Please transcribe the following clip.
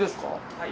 はい。